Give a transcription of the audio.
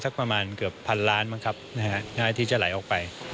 สักประมาณเกือบพันล้านบาทที่จะไหลออกไป